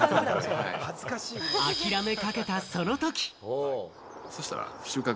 諦めかけた、その時。